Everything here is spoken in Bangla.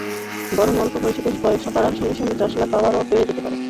বরং অল্প বয়সীদের বয়স বাড়ার সঙ্গে সঙ্গে চশমার পাওয়ার আরও বাড়তে পারে।